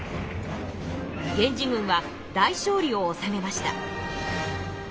源氏軍は大勝利をおさめました。